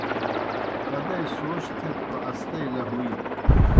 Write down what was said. کدئی سوچ تھیت توْ اسدئی لہُویت